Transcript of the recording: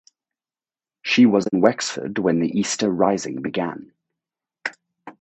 She was in Wexford when the Easter Rising began.